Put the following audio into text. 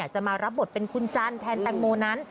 จะมารับบทเป็นคุณจันทร์แทนแตงโมนั้น